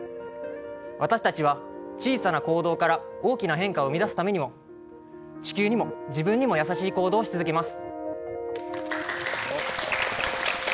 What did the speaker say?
私たちは小さな行動から大きな変化を生み出すためにも地球にも自分にも優しい行動をし続けます。